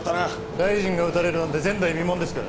大臣が撃たれるなんて前代未聞ですから。